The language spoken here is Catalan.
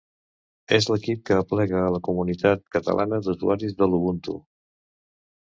És l'equip que aplega a la comunitat catalana d'usuaris de l'Ubuntu.